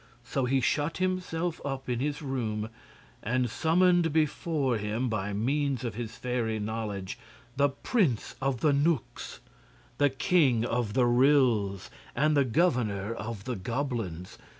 So he shut himself up in his room and summoned before him, by means of his fairy knowledge, the Prince of the Knooks, the King of the Ryls and the Governor of the Goblins.